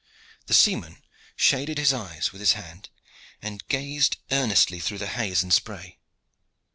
The seaman shaded his eyes with his hand, and gazed earnestly through the haze and spray.